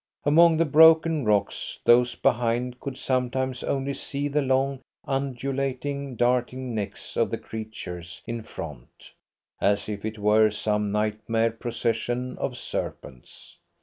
Among the broken rocks those behind could sometimes only see the long, undulating, darting necks of the creatures in front, as if it were some nightmare procession of serpents.